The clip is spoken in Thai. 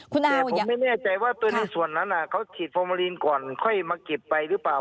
แต่ผมไม่แน่ใจว่าตัวในส่วนนั้นเขาฉีดฟอร์มาลีนก่อนค่อยมาเก็บไปหรือเปล่า